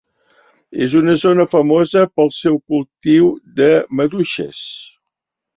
És una zona famosa pel seu cultiu de maduixes.